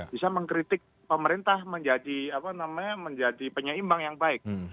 bisa mengkritik pemerintah menjadi penyeimbang yang baik